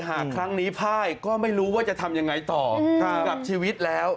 หากครั้งนี้พ่ายก็ไม่รู้ว่าจะทำยังไงต่อกับชีวิตแล้ว